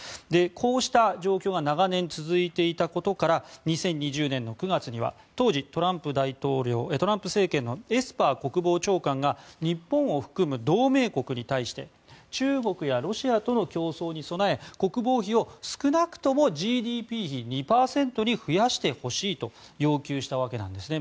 こうした状況が長年続いていたことから２０２０年の９月には当時、トランプ政権のエスパー国防長官が日本を含む同盟国に対して中国やロシアとの競争に備え国防費を少なくともＧＤＰ比２％に増やしてほしいと要求したわけなんですね。